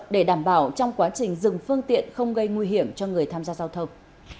để đảm bảo trong quá trình dừng phương tiện không gây nguy hiểm cho người tham gia giao thông